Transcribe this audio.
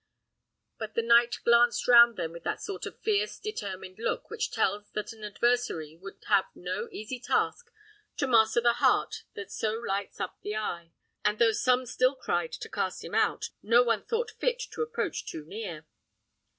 But the knight glanced round them with that sort of fierce, determined look, which tells that an adversary would have no easy task to master the heart that so lights up the eye; and though some still cried to cast him out, no one thought fit to approach too near.